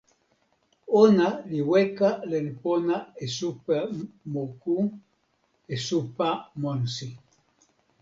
ona li weka len pona e supa moku e supa monsi.